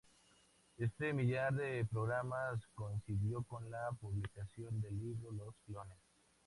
Este millar de programas coincidió con la publicación del libro "Los Clones.